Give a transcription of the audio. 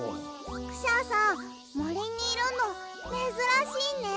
クシャさんもりにいるのめずらしいね。